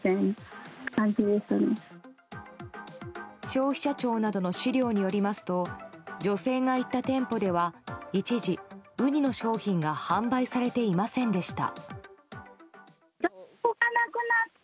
消費者庁などの資料によりますと女性が行った店舗では一時、ウニの商品が販売されていませんでした。